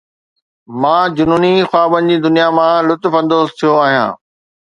مان جنوني خوابن جي دنيا مان لطف اندوز ٿيو آهيان